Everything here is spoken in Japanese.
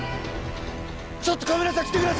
ちょっと。